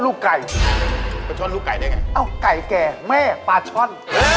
ถูกต้องหมด